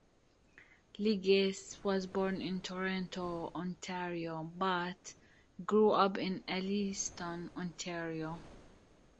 Legace was born in Toronto, Ontario, but grew up in Alliston, Ontario.